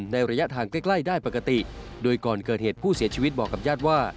ระยะทางใกล้ได้ปกติโดยก่อนเกิดเหตุผู้เสียชีวิตบอกกับญาติว่า